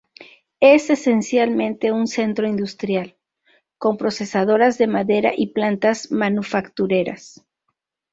Es esencialmente un centro industrial, con procesadoras de madera y plantas manufactureras.